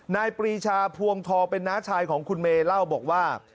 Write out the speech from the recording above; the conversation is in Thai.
ปรีชาพวงทองเป็นน้าชายของคุณเมย์เล่าบอกว่า